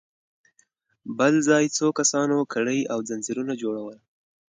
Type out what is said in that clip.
بل ځای څو کسانو کړۍ او ځنځيرونه جوړل.